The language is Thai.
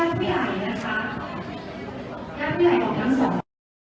ขอบคุณภาพให้กับคุณผู้ฝ่าย